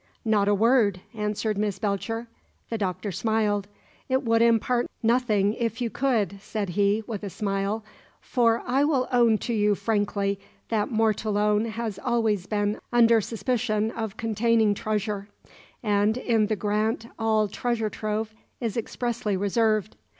"Not a word", answered Miss Belcher. The Doctor smiled. "It would impart nothing it you could," said he, with a smile, "for I will own to you frankly that Mortallone has always been under suspicion of containing treasure, and in the grant all treasure trove is expressly reserved.